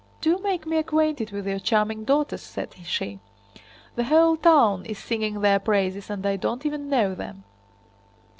"Do make me acquainted with your charming daughters," said she. "The whole town is singing their praises and I don't even know them!"